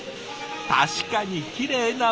確かにきれいな街並み！